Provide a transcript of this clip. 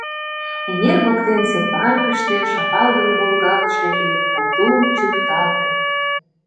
Эҥер воктенсе паркыште шапалгын волгалтше электротул чӱкталте.